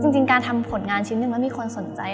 จริงการทำผลงานชิ้นหนึ่งแล้วมีคนสนใจ